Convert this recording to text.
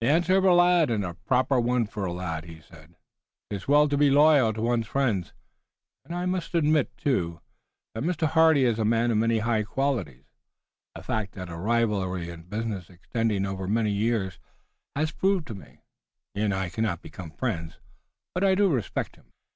"The answer of a lad, and a proper one for a lad," he said. "'Tis well to be loyal to one's friends, and I must admit, too, that Mr. Hardy is a man of many high qualities, a fact that a rivalry in business extending over many years, has proved to me. He and I cannot become friends, but I do respect him."